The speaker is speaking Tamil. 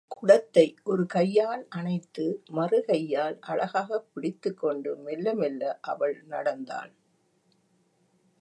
குடத்தை ஒரு கையால் அணைத்து, மறுகையால் அழகாகப் பிடித்துக்கொண்டு மெல்ல மெல்ல அவள் நடந்தாள்.